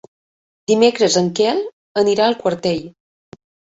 Dimecres en Quel anirà a Quartell.